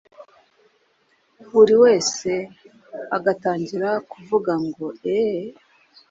buri wese agatangira kuvuga ngo eeee